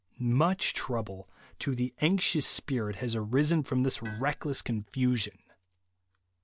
Much trouble to the anxious spirit has arisen from this reckless confusion.